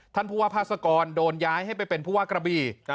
ท่านผู้ว่าพาสกรโดนย้ายให้ไปเป็นผู้ว่ากระบี